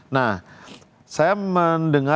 nah saya mendengar